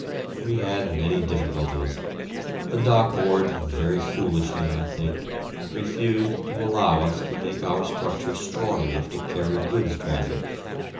We had many difficulties. The Dock Board, very foolishly I think, refused to allow us to make our structure strong enough to carry goods traffic.